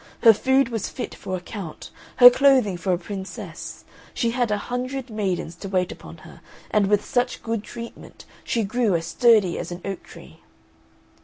Her food was fit for a count, her clothing for a princess. She had a hundred maidens to wait upon her, and with such good treatment she grew as sturdy as an oak tree.